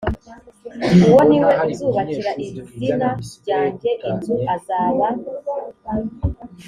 uwo ni we uzubakira izina ryanjye inzu azaba